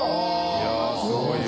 い筺舛すごいよ。